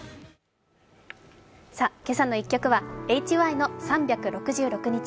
今朝の一曲はＨＹの「３６６日」。